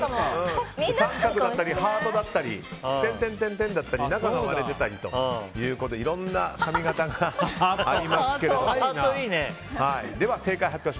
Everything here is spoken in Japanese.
三角だったりハートだったり点々だったり中が割れてたりといろんな髪形がありますけれども。